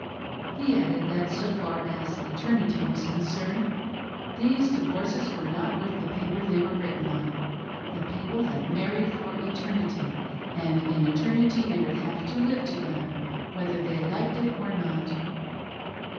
He added, that so far as " eter nity " was concerned, these divorces were not worth the paper they were written on, — the people had married for eternity, and in eternity they would have to live together, whether they liked it or not.